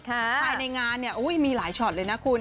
ไปในงานเนี่ยอุ้ยมีหลายชอตเลยนะคุณ